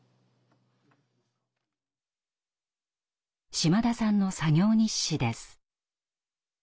島田さんの作業日誌です。